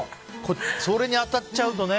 それに当たっちゃうとね。